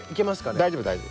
大丈夫大丈夫。